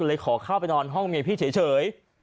และเลยขอเข้าไปนอนในห้องพี่เฉย